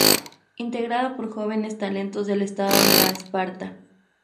Integrado por jóvenes talentos del estado Nueva Esparta.